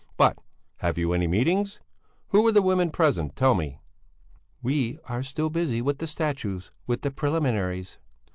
But, have you any meetings? Who were the women present? Tell me?" "We are still busy with the statutes, with the preliminaries."